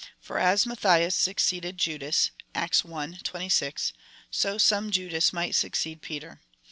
For as Matthias succeeded Judas, (Acts i. 26,) so some Judas might succeed Peter.